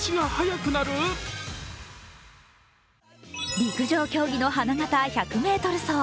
陸上競技の花形、１００ｍ走。